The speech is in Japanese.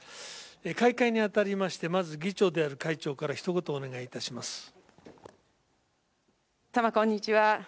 開会にあたりまして、まず議長である会長から、ひと言お願いいた皆様こんにちは。